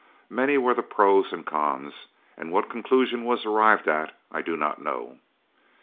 Many were the pros and cons, and what conclusion was arrived at I do not know.